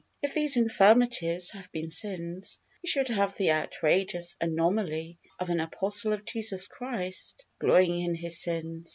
If these infirmities had been sins, we should have the outrageous anomaly of an apostle of Jesus Christ glorying in his sins!